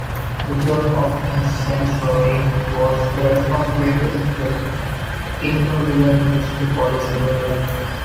The job of censoring was the responsibility of the Interior Ministry's Police Bureau.